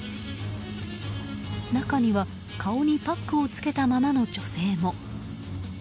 中には、顔にパックをつけたままの女性も。